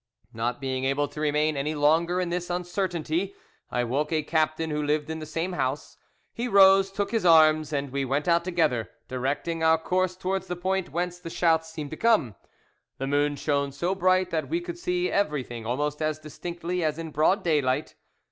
Not being able to remain any longer in this uncertainty, I woke a captain who lived in the same house. He rose, took his arms, and we went out together, directing our course towards the point whence the shouts seemed to come. The moon shone so bright that we could see everything almost as distinctly as in broad daylight.